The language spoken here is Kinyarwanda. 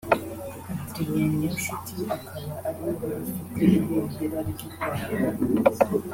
Adrien Niyonshuti akaba ariwe wari ufite ibendera ry’u Rwanda